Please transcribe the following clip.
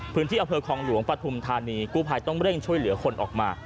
อำเภอคลองหลวงปฐุมธานีกู้ภัยต้องเร่งช่วยเหลือคนออกมา